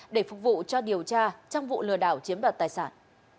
để phục vụ cho điều tra trong vụ lừa đảo chiếm đoạt tài sản